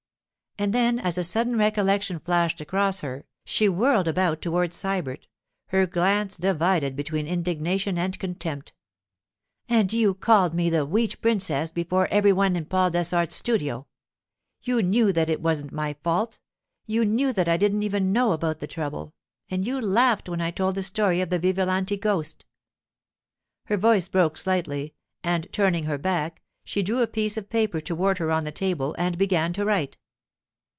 And then, as a sudden recollection flashed across her, she whirled about toward Sybert, her glance divided between indignation and contempt. 'And you called me the "Wheat Princess" before every one in Paul Dessart's studio. You knew that it wasn't my fault; you knew that I didn't even know about the trouble, and you laughed when I told the story of the Vivalanti ghost.' Her voice broke slightly, and, turning her back, she drew a piece of paper toward her on the table and began to write.